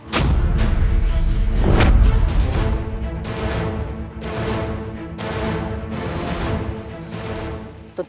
aku tidak takut